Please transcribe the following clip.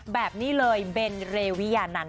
แบบนี้เลยเบนเรวิยานันต